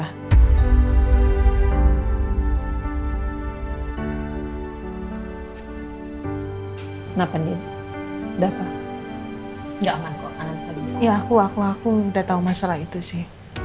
kenapa nih dapat nggak aman kok ya aku aku udah tahu masalah itu sih